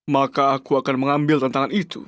maka aku akan mengambil tantangan itu